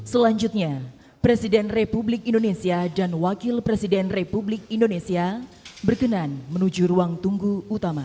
selanjutnya presiden republik indonesia dan wakil presiden republik indonesia berkenan menuju ruang tunggu utama